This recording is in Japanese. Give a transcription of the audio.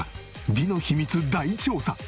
美の秘密大調査！